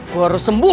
gue harus sembuh